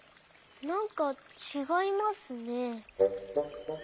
なんかちがいますね。